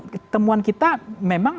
ketemuan kita memang